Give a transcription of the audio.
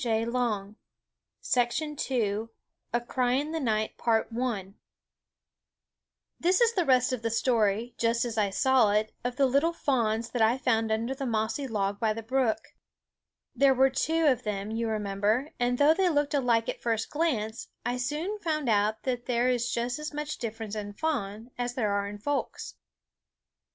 A Cry in the Night This is the rest of the story, just as I saw it, of the little fawns that I found under the mossy log by the brook. There were two of them, you remember; and though they looked alike at first glance, I soon found out that there is just as much difference in fawns as there is in folks.